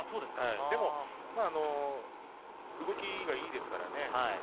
でも動きが、いいですからね。